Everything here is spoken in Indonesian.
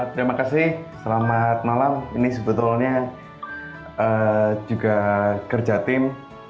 terima kasih selamat malam ini sebetulnya juga kerja tim